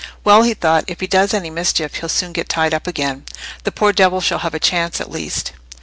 "Well," he thought, "if he does any mischief, he'll soon get tied up again. The poor devil shall have a chance, at least."